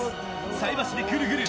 菜箸でぐるぐる。